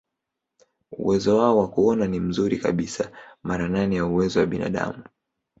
Uwezo wao wa kuona ni mzuri kabisa, mara nane ya uwezo wa binadamu.